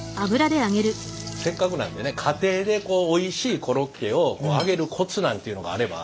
せっかくなんでね家庭でおいしいコロッケを揚げるコツなんていうのがあれば。